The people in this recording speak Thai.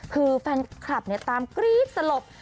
คือแฟนคลับตามกรี๊ดสลบ